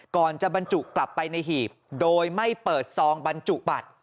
ก่อนจะบรรจุกลับไปในหีบโดยไม่เปิดซองบรรจุบัตร